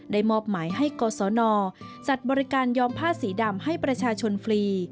มอบหมายให้กศนจัดบริการยอมผ้าสีดำให้ประชาชนฟรี